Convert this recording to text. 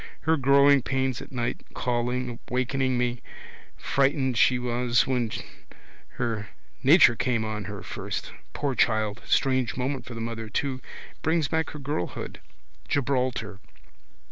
Her growing pains at night, calling, wakening me. Frightened she was when her nature came on her first. Poor child! Strange moment for the mother too. Brings back her girlhood. Gibraltar.